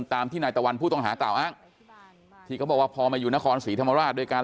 ตามที่นายตะวันผู้ต้องหากล่าวอ้างที่เขาบอกว่าพอมาอยู่นครศรีธรรมราชด้วยกัน